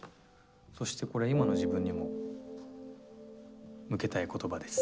そしてこれ今の自分にも向けたい言葉です。